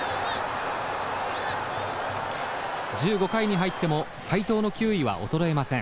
１５回に入っても斎藤の球威は衰えません。